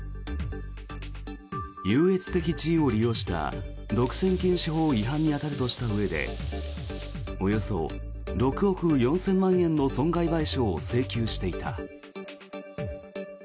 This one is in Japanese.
優越的地位を利用した独占禁止法違反に当たるとしたうえでおよそ６億４０００万円の損害賠償を請求していた。